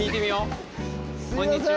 こんにちは！